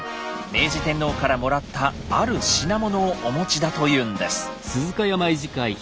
明治天皇からもらったある品物をお持ちだというんです。